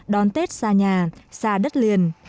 đón tết xa nhà xa đất liền